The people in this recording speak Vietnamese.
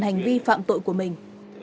hành vi phạm tội của mình